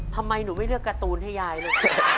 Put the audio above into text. ทำไมหนูไม่เลือกการ์ตูนให้ยายลูก